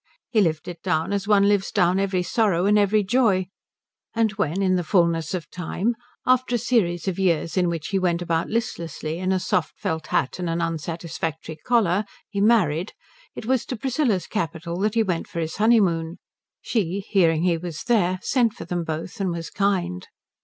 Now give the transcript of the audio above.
He lived it down as one lives down every sorrow and every joy; and when in the fulness of time, after a series of years in which he went about listlessly in a soft felt hat and an unsatisfactory collar, he married, it was to Priscilla's capital that he went for his honeymoon. She, hearing he was there, sent for them both and was kind.